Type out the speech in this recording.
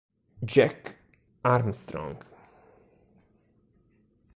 Jack Armstrong